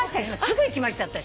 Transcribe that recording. すぐ行きました私。